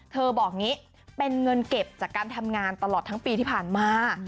บอกอย่างนี้เป็นเงินเก็บจากการทำงานตลอดทั้งปีที่ผ่านมา